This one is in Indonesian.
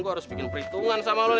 gue harus bikin perhitungan sama oleh